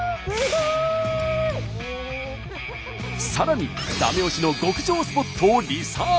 さらに駄目押しの極上スポットをリサーチ！